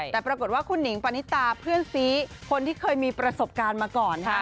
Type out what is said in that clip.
แต่ปรากฏว่าคุณหนิงปณิตาเพื่อนซีคนที่เคยมีประสบการณ์มาก่อนค่ะ